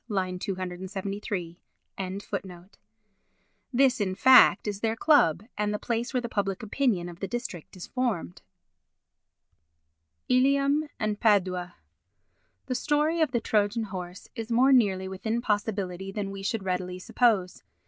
273.] This, in fact, is their club and the place where the public opinion of the district is formed. Ilium and Padua The story of the Trojan horse is more nearly within possibility than we should readily suppose.